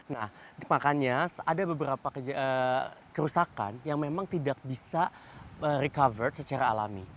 nah makanya ada beberapa kerusakan yang memang tidak bisa recover secara alami